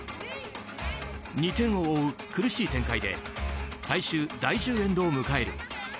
２点を追う苦しい展開で最終第１０エンドを迎える。